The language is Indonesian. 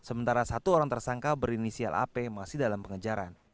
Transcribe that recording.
sementara satu orang tersangka berinisial ap masih dalam pengejaran